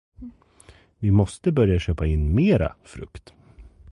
Vi måste börja köpa in mera frukt.